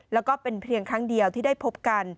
แล้วก็เป็นเพียงครั้งเดียวที่ได้พบกัน